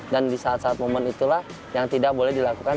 dan di saat saat momen itulah yang tidak boleh dilakukan